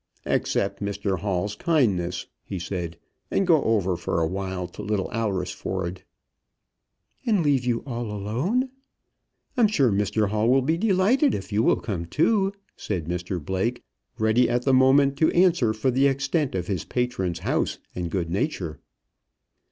"Accept Mr Hall's kindness," he said, "and go over for a while to Little Alresford." "And leave you all alone?" "I'm sure Mr Hall will be delighted if you will come too," said Mr Blake, ready at the moment to answer for the extent of his patron's house and good nature.